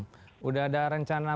sudah ada rencana